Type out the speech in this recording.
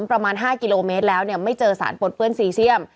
ประมาณ๕กิโลเมตรแล้วเนี่ยไม่เจอสารปนเปื้อนซีเซียม